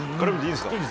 いいです。